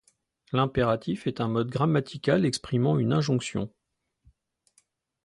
L'impératif est un mode grammatical exprimant une injonction.